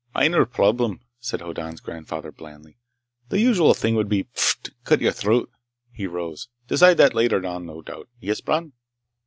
"Minor problem," said Hoddan's grandfather blandly. "The usual thing would be pfft! Cut your throat." He rose. "Decide that later, no doubt. Yes, Bron?"